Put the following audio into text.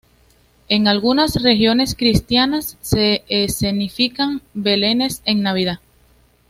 En algunas religiones cristianas se escenifican belenes en Navidad.